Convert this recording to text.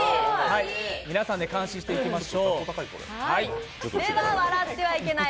皆さんで監視していきましょう。